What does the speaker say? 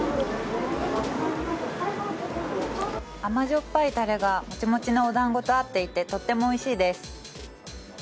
甘じょっぱいタレがもちもちのお団子と合っていてとてもおいしいです。